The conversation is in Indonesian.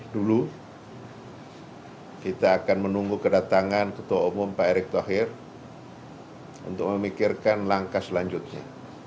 dulu kita akan menunggu kedatangan ketua umum pak erick thohir untuk memikirkan langkah selanjutnya